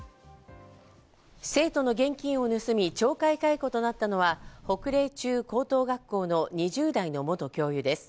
生徒の現金を盗み、懲戒解雇となったのは北嶺中・高等学校の２０代の元教諭です。